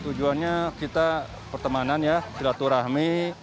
tujuannya kita pertemanan ya silaturahmi